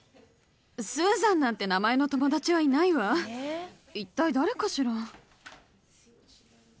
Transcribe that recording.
スーザンなんて名前の友達はいないわ一体誰かしら？